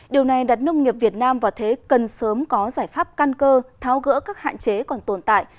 điều này đặt nông nghiệp việt nam vào thế cần sớm có giải pháp căn cơ tháo gỡ các hạn chế còn tồn tại